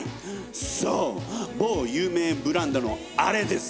そう某有名ブランドのあれです！